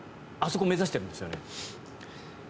あそこ目指しているんですよね？